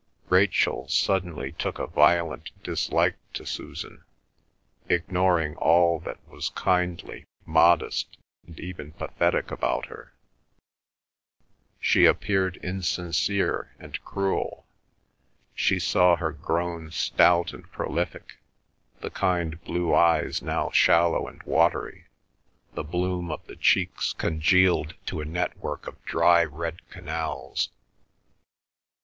Rachel suddenly took a violent dislike to Susan, ignoring all that was kindly, modest, and even pathetic about her. She appeared insincere and cruel; she saw her grown stout and prolific, the kind blue eyes now shallow and watery, the bloom of the cheeks congealed to a network of dry red canals.